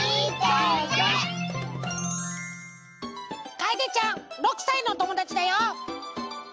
かえでちゃん６さいのおともだちだよ！